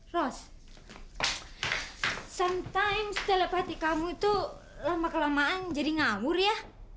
ros kadang kadang telepati kamu itu lama kelamaan jadi ngamur ya